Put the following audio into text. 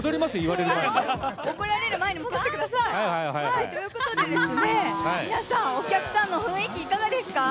怒られる前に戻ってください。ということでですね、皆さんお客さんの雰囲気いかがですか？